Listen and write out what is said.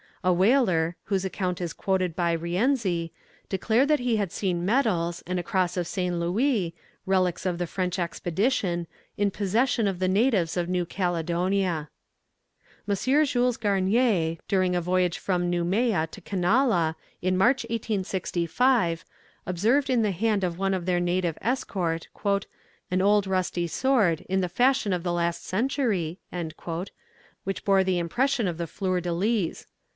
A whaler, whose account is quoted by Rienzi, declared that he had seen medals and a cross of St. Louis, relics of the French expedition, in possession of the natives of New Caledonia. M. Jules Garnier, during a voyage from Noumea to Canala, in March, 1865, observed in the hand of one of their native escort, "an old rusty sword, in the fashion of the last century," which bore the impression of the "fleur de lys."